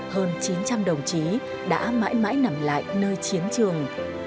hơn chín trăm linh đồng chí đã mãi mãi nằm lại nơi chiến trường